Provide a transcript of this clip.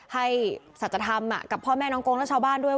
สัจธรรมกับพ่อแม่น้องโกงและชาวบ้านด้วย